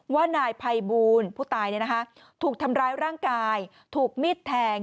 ว่านายภัยบูลผู้ตายถูกทำร้ายร่างกายถูกมีดแทง